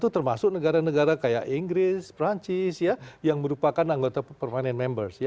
empat belas delapan puluh satu termasuk negara negara kayak inggris perancis yang merupakan anggota permanent members